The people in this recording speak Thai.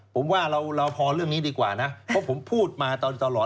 ผมว่าเราพอเรื่องนี้ดีกว่านะเพราะผมพูดมาตลอด